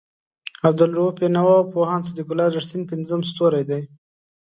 عبالرؤف بېنوا او پوهاند صدیق الله رښتین پنځم ستوری دی.